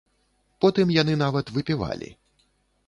Потым яны нават выпівалі.